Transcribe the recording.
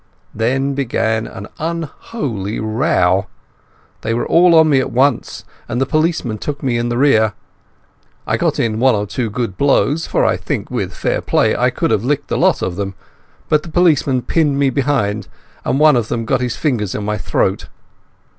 Then began an unholy row. They were all on me at once, and the policeman took me in the rear. I got in one or two good blows, for I think, with fair play, I could have licked the lot of them, but the policeman pinned me behind, and one of them got his fingers on my throat.